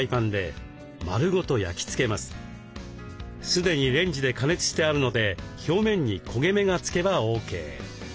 すでにレンジで加熱してあるので表面に焦げ目がつけばＯＫ。